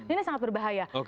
ini sangat berbahaya